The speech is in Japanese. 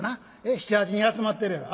７８人集まってるやろ。